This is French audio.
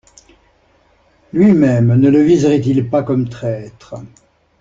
Lui-même, ne le viseraient-ils pas comme traître?